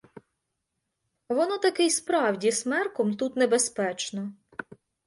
Воно таки й справді смерком тут небезпечно.